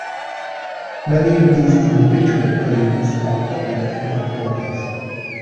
Many of these individual poems are popular in anthologies.